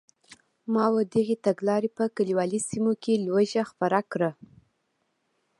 ماوو دغې تګلارې په کلیوالي سیمو کې لوږه خپره کړه.